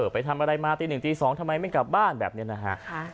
ไปทำอะไรมาตี๑ตี๒ทำไมไม่กลับบ้านแบบนี้นะฮะ